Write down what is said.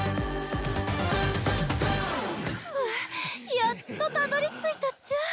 やっとたどりついたっちゃ。